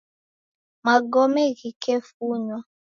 Magome ghikefunywa